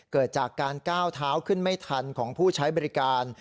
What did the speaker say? เกิดจากการก้าวเท้าขึ้นไม่ทันของผู้ใช้บริการ